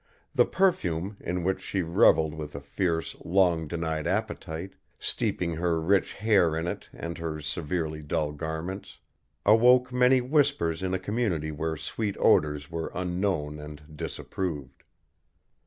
The perfume, in which she revelled with a fierce, long denied appetite, steeping her rich hair in it and her severely dull garments, awoke many whispers in a community where sweet odors were unknown and disapproved.